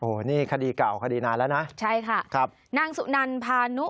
โอ้โฮนี่คดีเก่าคดีนานแล้วนะ